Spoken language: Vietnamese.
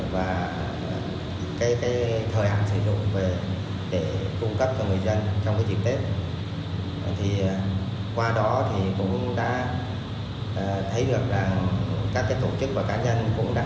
và thời hạn sử dụng để cung cấp cho người dân